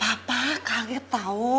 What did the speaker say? papa kaget tau